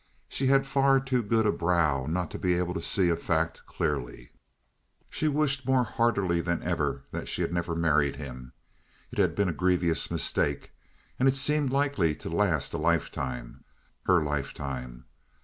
She had far too good a brow not to be able to see a fact clearly. She wished more heartily than ever that she had never married him. It had been a grievous mistake; and it seemed likely to last a life time her life time.